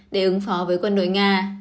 để ứng phó với quân đội nga